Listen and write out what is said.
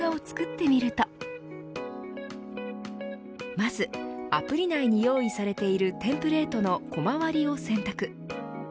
まず、アプリ内に用意されているテンプレートのコマ割りを選択。